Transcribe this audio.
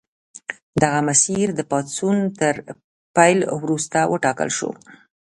دغه مسیر د پاڅون تر پیل وروسته وټاکل شو.